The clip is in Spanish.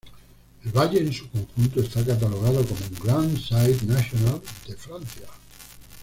El valle en su conjunto está catalogado como un Grand site national de Francia.